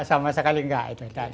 sama sekali enggak